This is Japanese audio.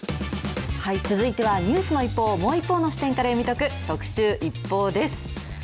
はい、続いてはニュースの一報をもう一方の視点から読み解く特集